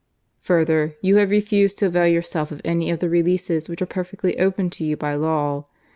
Further, you have refused to avail yourself of any of the releases which are perfectly open to you by law.